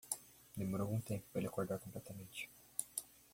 Demorou algum tempo para ele acordar completamente.